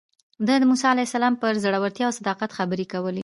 ده د موسی علیه السلام پر زړورتیا او صداقت خبرې کولې.